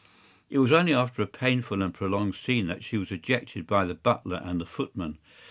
It was only after a painful and prolonged scene that she was ejected by the butler and the footman.